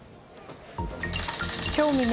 今日未明